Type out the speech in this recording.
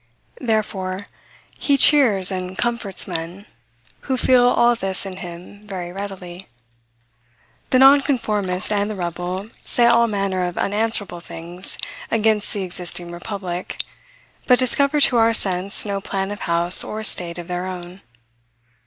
Therefore, he cheers and comforts men, who feel all this in him very readily. The nonconformist and the rebel say all manner of unanswerable things against the existing republic, but discover to our sense no plan of house or state of their own.